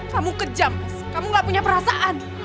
kamu kejam kamu gak punya perasaan